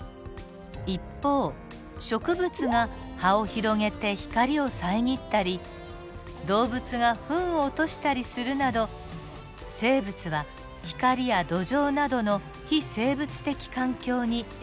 一方植物が葉を広げて光を遮ったり動物がフンを落としたりするなど生物は光や土壌などの非生物的環境に影響を与えています。